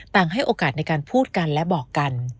ให้โอกาสในการพูดกันและบอกกัน